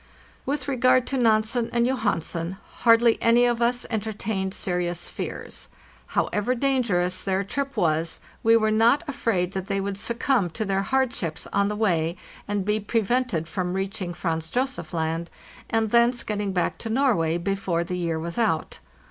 With regard to Nansen and Johansen, hardly any of us enter tained serious fears; however dangerous their trip was, we were not afraid that they would succumb to their hardships on the way, and be prevented from reaching Franz Josef Land, and thence getting back to Norway before the year was out.